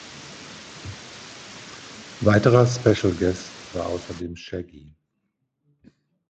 Weiterer "Special Guest" war außerdem Shaggy.